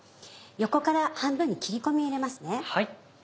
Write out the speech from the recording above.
横から半分に切り込みを入れますね。